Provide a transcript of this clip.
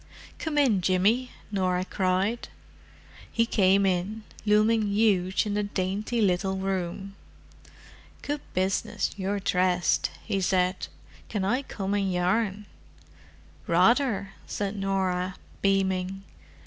"Come in, Jimmy," Norah cried. He came in, looming huge in the dainty little room. "Good business—you're dressed," he said. "Can I come and yarn?" "Rather," said Norah, beaming.